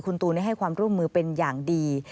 คุณตูนให้ความร่วมมือเป็นอย่างดี